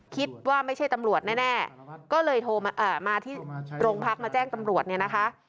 คิดว่าไม่ใช่ตำรวจแน่ก็เลยโทรมาที่โรงพักมาแจ้งตำรวจเนี่ยนะคะ